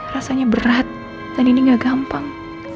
rasanya berat dan ini gak gampang